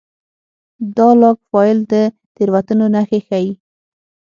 دا لاګ فایل د تېروتنو نښې ښيي.